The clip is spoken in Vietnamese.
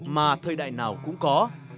mà thời đại nào cũng có